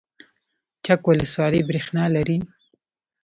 چک ولسوالۍ بریښنا لري؟